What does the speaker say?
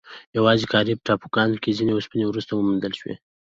یواځې کارایب ټاپوګانو کې ځینې اوسپنې وروسته موندل شوې.